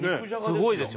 すごいわ。